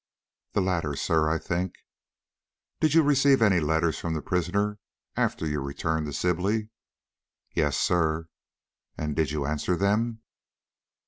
"The latter, sir, I think." "Did you receive any letters from the prisoner after your return to Sibley?" "Yes, sir." "And did you answer them?"